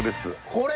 これ？